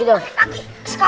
udah kan gitu oke